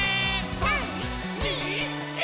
３、２、１。